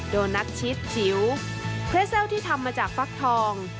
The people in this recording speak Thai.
โดนัทชิสจิ๋วเครสเซิลที่ทำมาจากฟักทอง